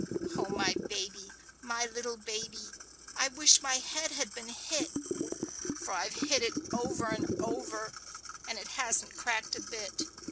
Oh, my baby! my little baby! I wish my head had been hit! For I've hit it over and over, and it hasn't cracked a bit.